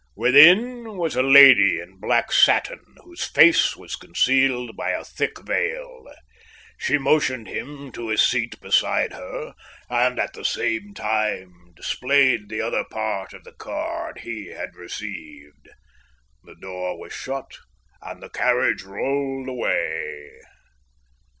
Within was a lady in black satin, whose face was concealed by a thick veil. She motioned him to a seat beside her, and at the same time displayed the other part of the card he had received. The door was shut, and the carriage rolled away.